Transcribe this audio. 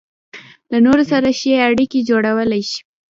له نورو سره ښې اړيکې جوړولای شي.